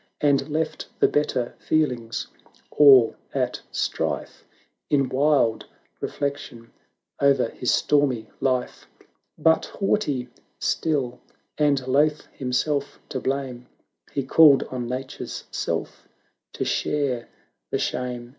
And left the better feelings all at strife In wild reflection o'er his stormy life; But haughty still, and loth himself to blame, 331 He called on Nature's self to share the shame.